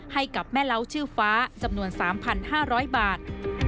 ให้กับแม่เล้าชื่อฟ้าจำนวน๓๕๐๐บาท